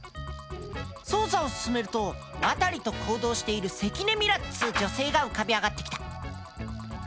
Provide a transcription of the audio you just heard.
捜査を進めると渡と行動している関根ミラっつう女性が浮かび上がってきた。